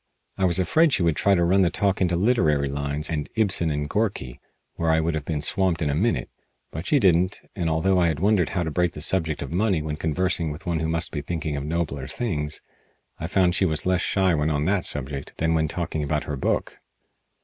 I was afraid she would try to run the talk into literary lines and Ibsen and Gorky, where I would have been swamped in a minute, but she didn't, and, although I had wondered how to break the subject of money when conversing with one who must be thinking of nobler things, I found she was less shy when on that subject than when talking about her book.